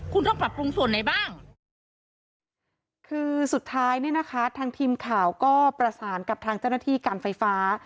คุณต้องปรับปรุงส่วนไหนบ้างคือสุดท้ายเนี่ยนะคะทางทีมข่าวก็ประสานกับทางเจ้าหน้าที่การไฟฟ้า